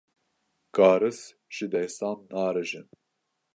Garis ji destan narijin.